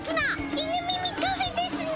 イヌミミカフェですね。